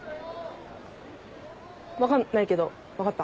分かんないけど分かった。